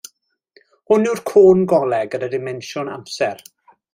Hwn yw'r côn golau gyda dimensiwn amser.